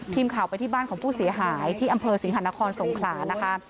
ทีมข่าวไปที่บ้านของผู้เสียหายที่อำเภอสิงหานครสงขลานะคะ